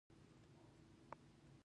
لومړی د ادارې مشري ده.